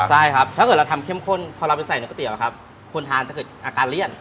ใช่ครับถ้าเกิดเราทำเข้มข้นพอเราไปใส่ในก๋วคนทานจะเกิดอาการเลี่ยน